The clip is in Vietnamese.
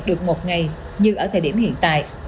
được một ngày như ở thời điểm hiện tại